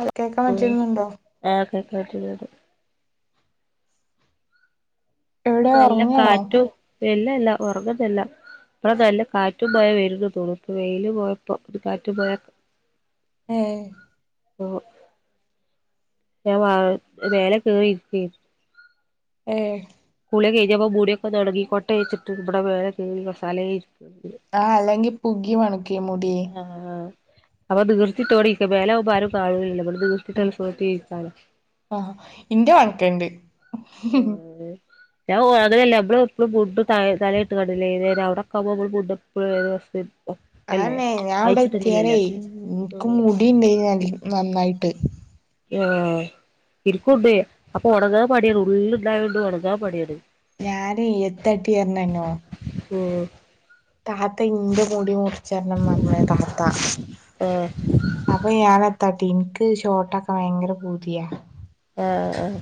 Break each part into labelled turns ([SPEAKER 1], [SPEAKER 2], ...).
[SPEAKER 1] അത കേക്കാൻ പറ്റുന്നുണ്ടോ?
[SPEAKER 2] ആഹ് കേക്കാൻ പറ്റുന്നുണ്ട്. ഇവടെ
[SPEAKER 1] എവിടെ
[SPEAKER 2] നല്ലെ
[SPEAKER 1] ഉറങ്ങാണോ
[SPEAKER 2] കാറ്റും ഇല്ല ഇല്ല ഉറങ്ങുന്നില്ല. ഇപ്പ നല്ലെ കാറ്റും മഴെ വരുന്ന് തോന്നുണു ഇപ്പ വെയില് പോയപ്പ കാറ്റു മയേ-
[SPEAKER 1] ഏഹ്-
[SPEAKER 2] ഓഹ് ഞാൻ വ മേലെ കേറിരിക്കയന്ന്.
[SPEAKER 1] ഏഹ്.
[SPEAKER 2] കുളി കഴിഞ്ഞപ്പോ മുടിയൊക്കെ ഒന്നൊണങ്ങിക്കോട്ടേച്ചിട്ട് ഇവിടെ മേലെ കേറി കസാലേല് രിക്കാണ്.
[SPEAKER 1] ആഹ് അല്ലെങ്കി പുകി മണക്യോ മുടീ.
[SPEAKER 2] ആഹ് അപ്പൊ നീർത്തിട്ടോണ്ടിരിക്ക മേലാവുമ്പോ ആരും കാണൂലല്ലോ തോണ്ട് നീർത്തിട്ടുള്ള ഇരിക്കാലോ.
[SPEAKER 1] ആഹ് ഇന്റെയ് മണക്ണ്ട്.
[SPEAKER 2] ഞാന് അങ്ങനല്ല നമ്മളും എപ്പളും മുഡ് തലയിട്ട് കാണ്ടല്ലേ അവടൊ ക്കാവുമ്പോ നമ്മുഡ് എപ്പളും. ഒക്കല്ലേ
[SPEAKER 1] അയന്നെ ഞാ ഇവടെ എത്തിയാലെ
[SPEAKER 2] അയച്ചിട്ടില്ലല്ലേ
[SPEAKER 1] ഇൻക്ക് മുടിണ്ട് നന്നായിട്ട്.
[SPEAKER 2] ആഹ് ഇനിക്കുംണ്ടേയ് അപ്പൊ ഒണങ്ങാ പണിയാണ് ഉള്ളുണ്ടായൊണ്ട് ഒണങ്ങാൻ പണിയാണ്.
[SPEAKER 1] ഞാന് എത്തട്ടി ഇരണനോ.
[SPEAKER 2] ഉം.
[SPEAKER 1] താത്ത ഇന്റെ മുടി മുറിച്ചരണം പറഞ്ഞേ താത്ത.
[SPEAKER 2] ആഹ്.
[SPEAKER 1] അപ്പൊ ഞാൻ എത്താട്ടി എനിക്ക് ഷോട്ടക്കാൻ ഭയങ്കര പൂതിയ.
[SPEAKER 2] ആഹ് ആഹ്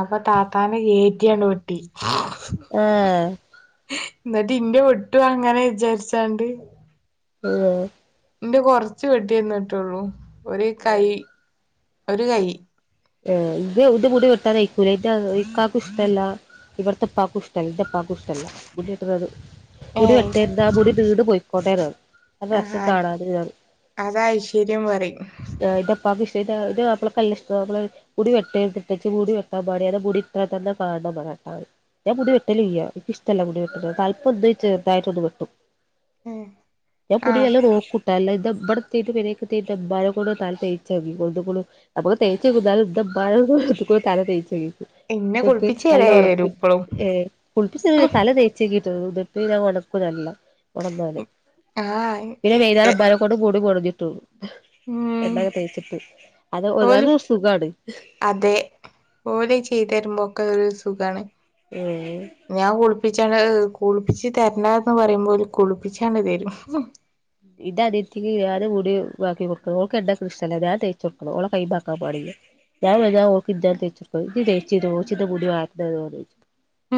[SPEAKER 1] അപ്പൊ താത്താനെ കേറ്റിയങ്ങ് വെട്ടി.
[SPEAKER 2] ആഹ്!
[SPEAKER 1] എന്നിട്ട് ഇന്റെ വെട്ടും അങ്ങനെ വിചാരിച്ചാണ്ട്
[SPEAKER 2] അഹ്‌.
[SPEAKER 1] ഇന്റെ കൊറച്ച് വെട്ടിയന്നിട്ടൊള്ളൂ ഒരു കൈ ഒരു കൈ.
[SPEAKER 2] ഏ ഇത് എവടിം മുടി വെട്ടാനയക്കുല ഈ ഇക്കാക്ക്‌ ഇഷ്ടല്ല. ഇവടത്തെപ്പാക്കും ഇഷ്ടല്ല ന്റെപ്പാക്കും ഇഷ്ട്ടല്ല മുടി വെട്ടണത്
[SPEAKER 1] ഏയ്
[SPEAKER 2] മുടിവെട്ടര്ത് ആ മുടി നീണ്ട് പൊയ്ക്കൊട്ടേന്ന് പറയും
[SPEAKER 1] ആഹ്
[SPEAKER 2] രസം
[SPEAKER 1] അത്
[SPEAKER 2] കാണാന്
[SPEAKER 1] അതാ ഐശ്വര്യം പറയും.
[SPEAKER 2] ആഹ് ഇന്റെ ഇപ്പക്ക്‌ ഇഷ്ട്ടാ ഇന്റെ മാപ്ലക്ക് നല്ലാഷ്ട്ടാ നമ്മള് മുടി വെട്ടരുത്ട്ടോജ്ജ് മുടി വെട്ടാൻ [unintelligible] അന്റെ മുടി ഇത്ര തന്നെ കാണണം പറയും [unintelligible] ഞാൻ മുടി വെട്ടല്ല്ല്യാ നിക്ക് ഇഷ്ടല്ല മുടി വെട്ടണത് തലപ് ഒന്ന് ചെറുതായിട്ടൊന്ന് വെട്ടും. ഞാൻ മുടി
[SPEAKER 1] ആഹ്
[SPEAKER 2] നല്ലോം നോക്കും. നല്ല ഇതാ ഇബടെത്തീട്ട് പെരേക്ക് എത്തിട്ട് മ്മാനെ കൊണ്ട് തല തേച്ചെങ്കിക്കും ഒന്നു [unintelligible] നമ്മള് തേച്ചങ്കും ന്നാലും ന്റെ മ്മാനെക്കൊണ്ട് ഒന്നു കൂടെ തല തേച്ചേകിക്കും
[SPEAKER 1] ഇന്നെ
[SPEAKER 2] ഇട്ട്
[SPEAKER 1] കുളിപ്പിച്ച് തരായി
[SPEAKER 2] നല്ല
[SPEAKER 1] വരും ഇപ്പളും
[SPEAKER 2] ഏഹ് കുളിപ്പിച്ചെന്ന തല തേ [unintelligible] തേച്ചേകിട്ട് ഉടുപ്പ് ഞാൻ ഒണക്കും നല്ലം ഉണന്നാല് പിന്നെ
[SPEAKER 1] ആഹ്
[SPEAKER 2] വൈന്നാരം ഉമ്മാനെ ട് മുടി മുടഞ്ഞിട്ടു കൊടുക്കും
[SPEAKER 1] ഉം
[SPEAKER 2] എണ്ണൊക്കെ തേച്ചിട്ട് അത് ഒരു അത്
[SPEAKER 1] ഓല്
[SPEAKER 2] സുഖമാണ്.
[SPEAKER 1] അതെ ഓല് അത് ചെയ്‌തെരുമ്പോൾ ഒക്കെ ഒരു സുഖണ്
[SPEAKER 2] ഏഹ്
[SPEAKER 1] ഞാൻ കുളിപ്പിച്ചാണ് കുളിപ്പിച്ച് തരണോ എന്ന് പറയുമ്പോ ഓല് കുളിപ്പിച്ചണ്ട് തരും.
[SPEAKER 2] ഇന്റെ അനിയത്തിക്ക് ഞാൻ മുടി ആക്കി കൊടുക്കണം ഓൾക്ക് എണ്ണേക്കണ ഇഷ്ട്ടല്ല ഞാൻ തേച്ച് കൊടുക്കണം ഓളെ കൈമാക്കാൻ പാടില്ല. ഞാൻ വന്നാ ഓൾക്ക് [unintelligible] ഇജ്ജി തേച്ചെരോ ഇച്ചിന്റെ മുടി വാണ്ടോ [unintelligible]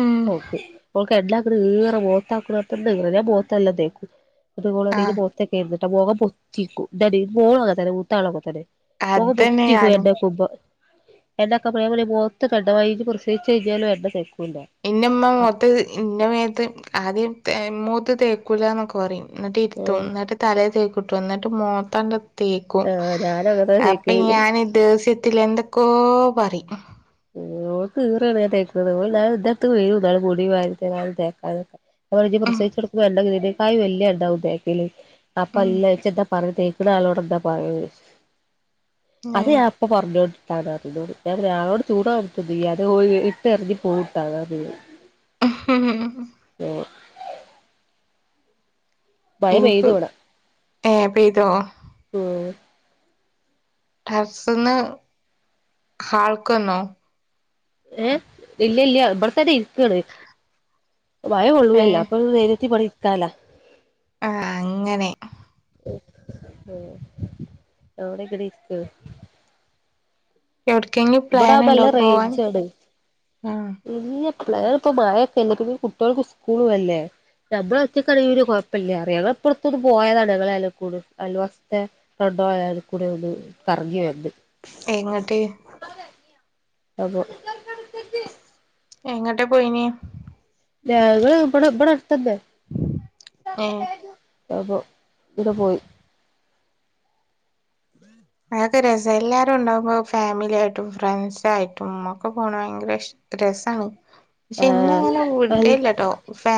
[SPEAKER 1] ഉം
[SPEAKER 2] ഓക്ക് ഓൾക്ക് എണ്ണാക്കണ് ഈറ മോത്താക്ക്‌ണ തന്നെ ഈറ ഞാൻ മോത്തല്ലോം തേക്കും അത് ന്റെ
[SPEAKER 1] ആഹ്
[SPEAKER 2] മോത്ത് തേക്കരുത്ട്ടോ മുഖം പൊത്തിക്കും ഇന്റെ അനി അങ്ങനെ തന്നെ മുത്താളും അങ്ങനെ തന്നെ മൊഖം
[SPEAKER 1] അതന്നെ
[SPEAKER 2] പൊത്തിക്കും
[SPEAKER 1] ഞാനും
[SPEAKER 2] എണ്ണേക്കുമ്പോ എണ്ണൊക്കെ പയെ പോലെ മോത്ത് [unintelligible] പ്രസവിച്ചു കഴിഞ്ഞാലും എണ്ണ തേക്കോലോ
[SPEAKER 1] ഇന്നമ്മ മുഖത്ത് ഇന്നെ മേത്ത് ആദ്യം മോത്ത് തേക്കൂലന്നൊക്കെ പറയും എന്നിട്ട്
[SPEAKER 2] അപ്പോ
[SPEAKER 1] ഇരുത്തും
[SPEAKER 2] ആഹ്
[SPEAKER 1] എന്നിട്ട് തല തേക്കുട്ടോ എന്നിട്ട് മോത്താണ്ട് തേക്കും
[SPEAKER 2] ഞാനങ്ങനെ
[SPEAKER 1] അപ്പൊ
[SPEAKER 2] തേക്കല്
[SPEAKER 1] ഞാൻ ദേസ്യത്തില് എന്തൊക്കോ പറയും.
[SPEAKER 2] ഓൾക്ക് ഇറേണ് ഞാൻ തേക്കുന്നത് ഓള് എന്നാലും ഇതൊക്കെ വരും ന്നാലും മുടി വാരി തരാനും തേക്കാനും ഒക്കെ ഞാൻ പറയും ഇജ്ജ്
[SPEAKER 1] ഉം
[SPEAKER 2] പ്രസവിച്ചടക്കുമ്പോ [unintelligible] ഇതിനേക്കായും വല്ല്യ എണ്ണാവും തേക്കല് അപ്പ എല്ലാ
[SPEAKER 1] ഉം
[SPEAKER 2] ഇജ്ജ് എന്താ പറയ തേക്കണ ആളോട് എന്താ പറയാ ചോയിച്ചു അത് അപ് ഇപ്പ പറഞ്ഞു കൊട്ത്താണ് [unintelligible] ചൂട് [unintelligible] ഇട്ടെറിഞ്ഞു പോവുട്ടാ [unintelligible]
[SPEAKER 1] ആഹ്‌ ഹ്‌
[SPEAKER 2] ഓഹ് പെയ്തു
[SPEAKER 1] ഇൻക്ക്
[SPEAKER 2] ഇവടെ
[SPEAKER 1] ഏഹ് പെയ്തോ
[SPEAKER 2] ഉം
[SPEAKER 1] ടറസ്ന്ന് ഹാൾക്ക് വന്നോ?
[SPEAKER 2] ഏഹ് ഇല്ല ഇല്ല്യ ഇബടത്തെന്നെ ഇരിക്കാണ്. മയകൊള്ളൂല്ലല്ലോ
[SPEAKER 1] ഏഹ്
[SPEAKER 2] അപ്പൊ ധൈര്യത്തി ഇബടെ ഇരിക്കാലോ
[SPEAKER 1] ആഹ് അങ്ങനെ
[SPEAKER 2] ആഹ് ആഹ് ഞാൻ ഇവിടെങ്ങനെ ഇരിക്കാണ്
[SPEAKER 1] എവ്ട്ക്കെങ്കിലും പ്ലാൻ
[SPEAKER 2] ഇബടാവുമ്പോ
[SPEAKER 1] ഉണ്ടോ
[SPEAKER 2] നല്ല
[SPEAKER 1] പോവാൻ
[SPEAKER 2] റേഞ്ചാണ്
[SPEAKER 1] ആഹ്
[SPEAKER 2] ഇല്ല പ്ലാന് ഇപ്പ മഴൊക്കെല്ലെ പിന്നെ ഈ കുട്ട്യാൾക്ക് സ്കൂളും അല്ലേ നമ്മള് ഒറ്റക്കണേ ഒരു കുഴപ്പല്ല [unintelligible] ഇപ്പടുത്തൊന്ന് പോയതാണ് ഞങ്ങളെ [unintelligible] അയൽവാസിത്തെ [unintelligible] കൂടെ ഒന്ന് കറങ്ങി വന്ന്
[SPEAKER 1] എങ്ങട്ട്.
[SPEAKER 2] അപ്പോ
[SPEAKER 1] എങ്ങട്ടാ പോയിനേ?
[SPEAKER 2] ഞങ്ങള് ബടെ ബടെ അട്ത്തെ ന്നെ.
[SPEAKER 1] ഏഹ്.
[SPEAKER 2] അപ്പോ അവിടെ പോയി.
[SPEAKER 1] അതൊക്കെ രസം എല്ലാരും ഉണ്ടാകുമ്പോ ഫാമിലി ആയിട്ടും ഫ്രണ്ട്സ യിട്ടും ഒക്കെ പോണ ഭയങ്കര ഇഷ് രസാവും പക്ഷെ ഇന്ന
[SPEAKER 2] ആഹ്
[SPEAKER 1] അങ്ങനെ
[SPEAKER 2] അൽ
[SPEAKER 1] വിടല്ലട്ടോ ഫേ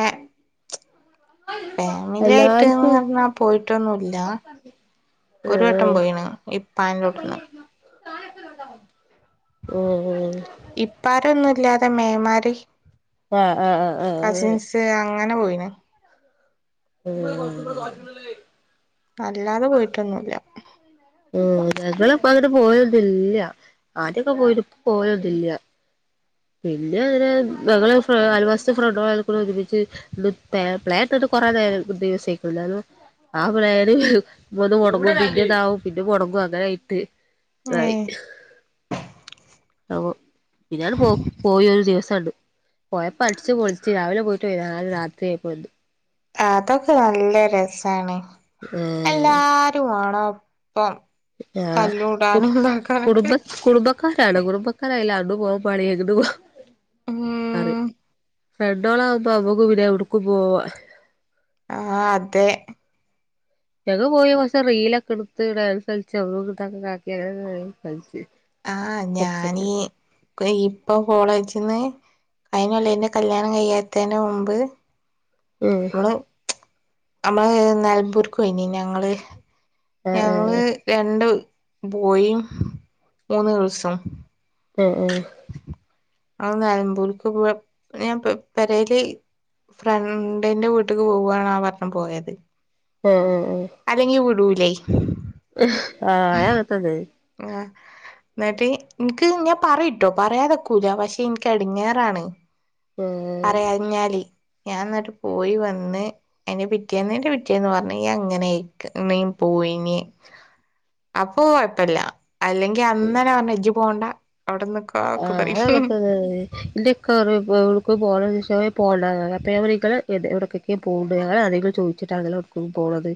[SPEAKER 1] ഫാമിലി ആയിട്ട്ന്ന്
[SPEAKER 2] എല്ലാർക്കും
[SPEAKER 1] പറഞ്ഞാ പോയിട്ടൊന്നുല്ല. ഒരു വട്ടം പോയിണ് ഇപ്പാന്റോ ട് ന്ന്.
[SPEAKER 2] ഉം ഉം.
[SPEAKER 1] ഇപ്പാരൊന്നുല്ലാതെ മേമാര്.
[SPEAKER 2] ആഹ് ആഹ് ആഹ് അതെ.
[SPEAKER 1] ട്ട് അങ്ങനെ പോയിണ്.
[SPEAKER 2] ഉം
[SPEAKER 1] അല്ലാതെ പോയിട്ടൊന്നുല്ല.
[SPEAKER 2] ഉം ഞങ്ങൾ അങ്ങട്ട് പോവാലൊന്നുല്ല. ആദ്യൊക്കെ പോയിനി പ്പൊ പോവലോന്നില്ല. പിന്നെ അങ്ങനെ ഞങ്ങൾ അയൽവാസി ഫ്രണ്ടേളോക്കൂടെ ഒരുമിച്ച്. പ്ലാനറ്റിട്ട് കൊറേ നേരം ദിവസായിക്ക്ണു ന്നാലും. ആഹ് പ്ലാൻ ഒന്ന് മുടങ്ങും പിന്നെ ഇതാവും പിന്നെ മുടങ്ങും അങ്ങന ആയിട്ട്
[SPEAKER 1] ഏ
[SPEAKER 2] തായി അപ്പോ പിന്നാണ്ട് പോ പോയി ഒരു ദിവസം ആണ്ട് പോയപ്പോ അടച്ച് പൊളിച്ച രാവിലെ പോയിട്ട് രാത്രി ആയപ്പോ എത്തി
[SPEAKER 1] അതൊക്കെ നല്ല രസമാണ്
[SPEAKER 2] ഏഹ്
[SPEAKER 1] എല്ലാരും വാണോ ഒപ്പം.
[SPEAKER 2] ആഹ് കു
[SPEAKER 1] തല്ലൂടാനും
[SPEAKER 2] കുടുംബ
[SPEAKER 1] ഇതാക്കാനൊക്കെ
[SPEAKER 2] കുടുംബ. [unintelligible]
[SPEAKER 1] ഉം
[SPEAKER 2] ഫ്രണ്ടോള ആകുമ്പോമ്മക്ക് പിന്ന എവിടുക്ക് പോവാ.
[SPEAKER 1] ആഹ് അതെ.
[SPEAKER 2] ഞങ്ങ പോയി പക്ഷെ റീലൊക്കെ എടുത്ത് ഡാൻസ് കളിച് [unintelligible]
[SPEAKER 1] ആഹ് ഞാനീ. ഇപ്പൊ കോളേജിന്ന് അതിനതിനല്ലതിന്റെ കല്യാണം കയ്യാത്തതിന് മുമ്പ്.
[SPEAKER 2] ഉം
[SPEAKER 1] നമ്മള് നമ്മള് നലമ്പൂർക്ക് പോയിനി ഞങ്ങള് ഞങ്ങള്.
[SPEAKER 2] ആഹ്
[SPEAKER 1] രണ്ട് ബോയി മൂന്ന് ഗേൾ സും.
[SPEAKER 2] ഏഹ് ഏഹ്
[SPEAKER 1] ഞങ്ങൾ നെലമ്പൂർക്ക് പോയ ഞാൻ പേരെല്. ഫ്രണ്ടിന്റെ വീട്ടേക്ക് പോവാണ് ആ പറഞ്ഞ പോയത്.
[SPEAKER 2] ഉം ഉം
[SPEAKER 1] അല്ലെങ്കി വിടൂല.
[SPEAKER 2] ആഹ് അത്‌ നന്നായി
[SPEAKER 1] ആഹ്. ന്നിട്ട് എനിക്ക് ഞാൻ പറട്ടോ പറയാതെക്കൂല പക്ഷെ എനിക്ക് എടിങ്ങേറാണ്.
[SPEAKER 2] ആഹ്
[SPEAKER 1] പറയാഞ്ഞാല് ഞാൻ എന്നിട്ട് പോയി വന്ന്. അയ്ന്റെ പിറ്റേന്ന്ന്റെ പിറ്റേന്ന് പറഞ്ഞ ഞാൻ ങ്ങനെ പോയിന. അപ്പൊ കുഴപ്പില്ല അല്ലെങ്കി അന്നന്നെ പറ ഇജ് പോണ്ട അവിടെന്ന്.
[SPEAKER 2] ആഹ് [unintelligible] എന്റെ ഇക്ക പറയും [unintelligible] [unintelligible] ചോദിച്ചിട്ടാണല്ലോ [unintelligible] പോണത്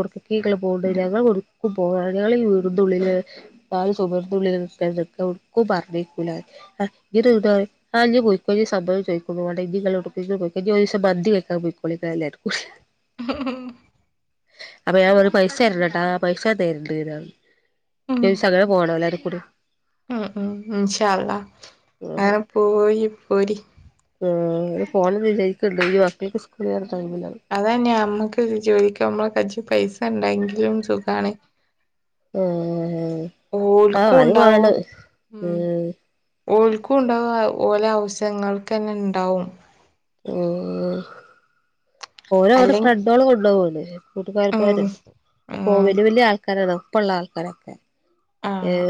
[SPEAKER 2] ഒട്ക്കൊക്കെ ഇങ്ങൾ പോണുണ്ട് ഞങ്ങൾ ഒടക്കും പോവാതെ ഈ വീടിനുള്ളിൽ താല സുമർന്നുള്ള മരണ കൂടാ ഇ [unintelligible] ആ, ഇയ്യ് പൊയ്ക്കോ, സംഭവം ചോയ്ക്കൂന്നും വേണ്ട. [unintelligible] ഇനി ഒരു ദിവസം മന്തിവെക്കാൻ പൊയ്‌കൊളിൻ എല്ലാവരും.
[SPEAKER 1] ഉം.
[SPEAKER 2] അപ്പൊ ഞാൻ പറഞ്ഞു. പൈസ തരൂലട്ടോ ആ, പൈസ ഞാൻ തരണ്ട്ന്ന് പറഞ്ഞു.
[SPEAKER 1] ഉം
[SPEAKER 2] [unintelligible]
[SPEAKER 1] ഉം. ഉ. ഇന്ഷാ അല്ലഹ്
[SPEAKER 2] കൂടി
[SPEAKER 1] അങ്ങനെ പോയി പോരി.
[SPEAKER 2] ഉം പോണം വിചാരിക്കണ് ണ്ട്. ഈ വന്നിട്ട് സ്കൂളിൽ [unintelligible]
[SPEAKER 1] അതന്നെയ നമ്മക്ക് ജോലിക്കുപോകുമ്പോൾ കൈൽ പൈസ ഉണ്ടെങ്കിലും സുഖമാണ്.
[SPEAKER 2] ആ,
[SPEAKER 1] ഓൽക്കും
[SPEAKER 2] അത് വേണം.
[SPEAKER 1] ഓൽ ക്കും ഉണ്ടാവും ഓലെ അവഷ്യങ്ങൾക്ക് തന്നെ ഉണ്ടാവും.
[SPEAKER 2] മ്. [unintelligible] ഓരെ ഓര്
[SPEAKER 1] അല്ലെങ്കി
[SPEAKER 2] ഫ്രണ്ടോള് കൊണ്ടുപോകുലോ
[SPEAKER 1] ഉം
[SPEAKER 2] കൂട്ടുകാരന്മാര് അപ്പൊ
[SPEAKER 1] ഉം
[SPEAKER 2] വലിയ വലിയ ആൾക്കാരാണ്.. ഇപ്പോയുള്ള ആൾക്കാരെന്നെ. ഏ,
[SPEAKER 1] ആഹ്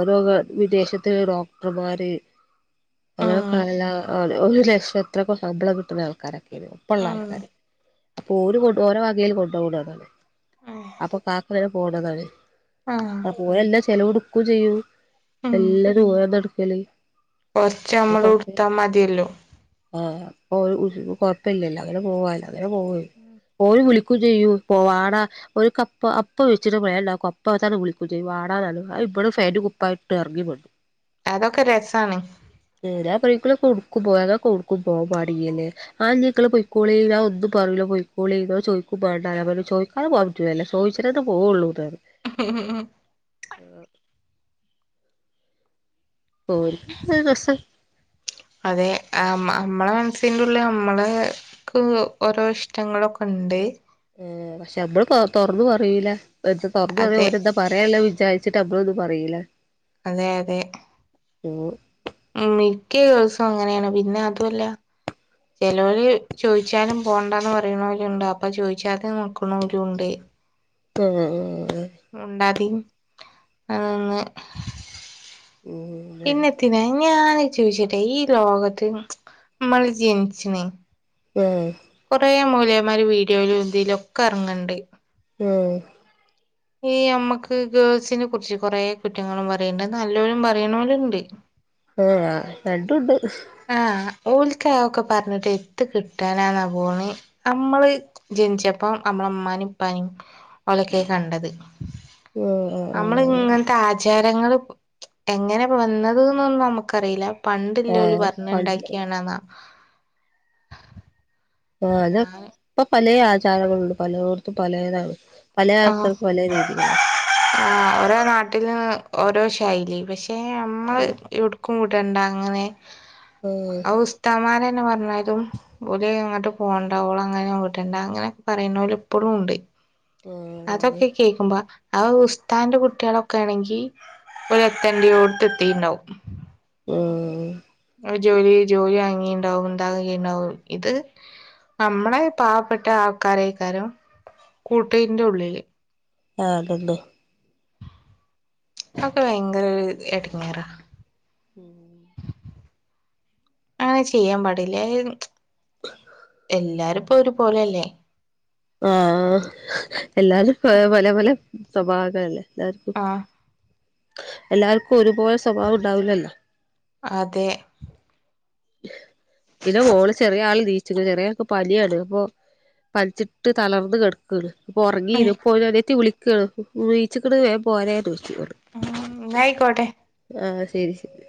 [SPEAKER 2] ഓരോ വിദേശത്ത് ഡോക്ടർമാര്
[SPEAKER 1] ഉം
[SPEAKER 2] അങ്ങനെയൊക്കെഉള്ള ആൾ ഒരു ലക്ഷം എത്രക്കെ ശമ്പളം കിട്ടുന്ന ആൾക്കാര. ഇവരെ ഒപ്പള്ള
[SPEAKER 1] ആണ്
[SPEAKER 2] ആൾക്കാര്. അപ്പൊ ഒരേ വകയിൽ കൊണ്ടുപോണതാണ്. അപ്പൊ കാക്ക ഇങ്ങനെ പോണതാണ്.
[SPEAKER 1] ആ.
[SPEAKER 2] ഒരെന്നെ എല്ലാ ചെലവ് എടുക്കും ചെയ്യും. എല്ലാതും ഒരെന്നെ എടുക്കല്.
[SPEAKER 1] കുറച്ച് നമ്മളും എടുത്ത മതിയല്ലോ.
[SPEAKER 2] ആ, ഉ കൊഴപ്പില്ലല്ലോ. അങ്ങനെ പോവലോ അങ്ങനെ പോകും ഓൽ.
[SPEAKER 1] ഉം [inaudible]
[SPEAKER 2] ഓര് വിളിക്കും ചെയ്യും. പോവാട ഒര് അപ്പ വെച്ചിട്ട് പോയിട്ടേയ് ഉണ്ടാകും അപ്പത്തന്നെ വിളി വിളിക്കുകയും വാടാ ആ ഇവിടെന്ന് പാന്റും കുപ്പായിട്ട് ഇറങ്ങി ഇവിടന്ന്
[SPEAKER 1] അതൊക്കെ രസാണ്.
[SPEAKER 2] [unintelligible] ആ, നിങ്ങൾ പൊയ് ക്കോളി ഒന്നും പറൂല്ല. പൊയ് ക്കോളി ഇന്നോട് ചോദിക്കും വണ്ട ഞാൻ ചോ അത് കുഴപ്പമില്ല. ചോദിച്ചിട്ട് ന്നേ പോവള്ളൂ.
[SPEAKER 1] ഉ ഉ [unintelligible]
[SPEAKER 2] അ [inaudible] [unintelligible]
[SPEAKER 1] അതെ നമ്മളെ മനസ്സിന്റെ ഉള്ളിൽ നമ്മളെ നമ്മൾക്കു ഓരോ ഇഷ്ടങ്ങളൊക്കെ ഉണ്ട്.
[SPEAKER 2] ആ പക്ഷേ നമ്മൾ തുറന്നു പറയുല. എ, തുറന്ന് പറഞ്ഞ
[SPEAKER 1] അതെ
[SPEAKER 2] ഒരേ എന്താ പറയ വിചാരിച്ചിട്ട് നമ്മൾ ഒന്നും പറയില്ല.
[SPEAKER 1] അതെ അതെ
[SPEAKER 2] ഉം
[SPEAKER 1] മിക്ക ദിവസം അങ്ങനെയാണ്. പിന്നെ അതുല്ല. ചേലോൽ ചോദിച്ചാനും പോണ്ടന്ന് പറയാന്നൊല് ണ്ട്. അപ്പൊ ചോദിച്ചാതെ നിക്കാണലും ഉണ്ട്.
[SPEAKER 2] ആ. [unintelligible]
[SPEAKER 1] മിണ്ടാതെ നിന്ന്.
[SPEAKER 2] ഓ [inaudible]
[SPEAKER 1] പിന്നെത്തിന ഞാനൊ ചോദിച്ചട്ടെ ഈ ലോകത്ത് നമ്മൾ ജനിച്ചിന.
[SPEAKER 2] ഉം.
[SPEAKER 1] കുറെ മോലിയാർ മാര് വീഡിയോയിലും ഇതിലൊക്കെ ഇറങ്ങണ്ട്.
[SPEAKER 2] ഉം.
[SPEAKER 1] ഈ നമ്മക്ക് ഗേൾസിനെ കുറിച്ച് കൊറേ കുറ്റങ്ങളും പറയണ്ട്. നല്ലവരും പറയണവലുണ്ട്.
[SPEAKER 2] ആഹ് രണ്ടുണ്ട്.
[SPEAKER 1] ആഹ് ഓൽക് അതൊക്കെ പറഞ്ഞിട്ട് എന്ത്‌ കിട്ടാനാന്ന പോണെ അമ്മള്. ജനിച്ചപ്പ അമ്മളമ്മാനും ഇപ്പാനും ഓലക്കെ കണ്ടത്.
[SPEAKER 2] ആഹ് ആഹ്
[SPEAKER 1] നമ്മള്
[SPEAKER 2] ആഹ്
[SPEAKER 1] ഇങ്ങനത്തെ ആച് രങ്ങള് എങ്ങനെ വന്നത് എന്നൊന്നും നമുക്കറിയില്ല പണ്ടില്ലല്
[SPEAKER 2] ആഹ്
[SPEAKER 1] പറ
[SPEAKER 2] പണ്ട്
[SPEAKER 1] ഉണ്ടാക്കിയണെന്നാ.
[SPEAKER 2] ആഹ് അത്
[SPEAKER 1] ഞാന്
[SPEAKER 2] ഇപ്പൊ പലേ ആചാരങ്ങളുണ്ട് പലേടത്തും പലേതാണ്. പല
[SPEAKER 1] ആഹ്
[SPEAKER 2] ആൾക്കാർക്ക് പല രീതികളാണ്
[SPEAKER 1] ആഹ് ഓരോ നാട്ടില് ഓരോ ശൈലി പക്ഷെ നമ്മള് എവിടുക്കും ട്ടണ്ട അങ്ങനെ
[SPEAKER 2] ആഹ്
[SPEAKER 1] അത് ഉസ്തമാരന്നെ പറഞ്ഞരും ഓലെങ്ങട്ട് പോണ്ടാ ഓളെ അങ്ങനെ വിടണ്ട അങ്ങനെയൊക്കെ പറയുന്നോല് ഇപ്പോഴും ഉണ്ട്
[SPEAKER 2] ആഹ്
[SPEAKER 1] അതൊക്കെ കേക്കുമ്പ അത് ഉസ്താന്റെ കുട്ടികളൊക്കെ ആണെങ്കി ഓരു എത്തണ്ടോടുത്ത് എത്തിയുണ്ടാവും
[SPEAKER 2] ആഹ്
[SPEAKER 1] ഒരു ജോലി ജോലി വാങ്ങിയുണ്ടാവും ഇന്താക ഉണ്ടാവും ഇത് നമ്മളെ പാവപ്പെട്ട ആൾക്കാരയ്ക്കാരം കൂട്ടീന്റെ ഉള്ളില്
[SPEAKER 2] ആഹ് അതന്നെ
[SPEAKER 1] അതൊക്കെ ഭയങ്കര ഒരു എടങ്ങേറാ
[SPEAKER 2] ഉ
[SPEAKER 1] അങ്ങനെ ചെയ്യാൻ പാടില്ലേ എല്ലാരുംപ്പൊഒര് പോലെല്ലേ
[SPEAKER 2] ആഹ് എല്ലാരും പല പല സ്വഭാവക്കാരല്ലേ എല്ലാർക്കും
[SPEAKER 1] ആഹ്
[SPEAKER 2] എല്ലാർക്കും ഒരുപോലെ സ്വഭാവം ഉണ്ടാവില്ലല്ലോ
[SPEAKER 1] അതെ
[SPEAKER 2] പിന്നെ മോള് ചെറിയ ആളില്ലീ ചെറിയാക്ക് പനിയാണ് അപ്പൊ പനിച്ചിട്ട് തളർന്ന് കെട് ക്ക്ണ് പ്പൊ ഒറങ്ങി പോ അനിയത്തി വിളിക്കണ് ഈച്ച്ക്ക്‌ണ് വേഗം പോരെ ന്ന് ചുങ്ങാണ്ട്
[SPEAKER 1] നായിക്കോട്ടെ
[SPEAKER 2] ആഹ് ശരി ശരി